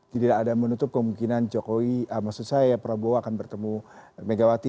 tidak ada menutup kemungkinan jokowi maksud saya prabowo akan bertemu megawati